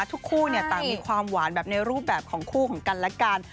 คู่ต่างมีความหวานแบบในรูปแบบของคู่ของกันและกัน